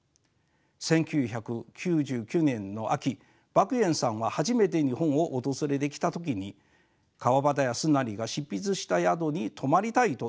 １９９９年の秋莫言さんは初めて日本を訪れてきた時に川端康成が執筆した宿に泊まりたいと言いました。